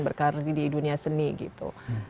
berkarir di dunia seni gitu